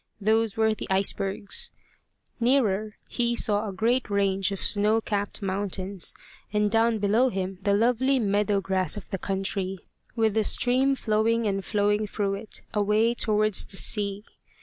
Those were the icebergs. Nearer he saw a great range of snow capped mountains, and down below him the lovely meadow grass of the country, with the stream flowing and flowing through it, away towards the sea.